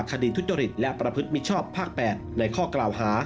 ทุจริตและประพฤติมิชชอบภาค๘ในข้อกล่าวหา